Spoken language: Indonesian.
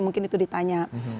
mungkin itu ditanya